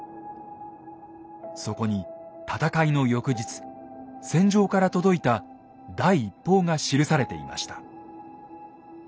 そこに戦いの翌日戦場から届いた第一報が記されていました。